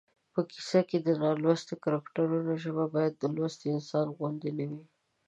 په کیسه کې د نالوستي کرکټر ژبه باید د لوستي انسان غوندې نه وي